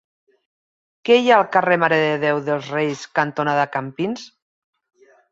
Què hi ha al carrer Mare de Déu dels Reis cantonada Campins?